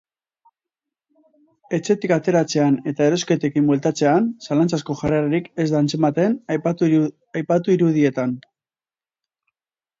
Etxetik ateratzean eta erosketekin bueltatzean, zalantzazko jarrerarik ez da antzematen aipatu irudietan.